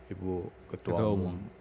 ibu ketua umum